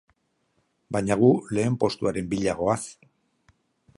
Baina gu lehen postuaren bila goaz.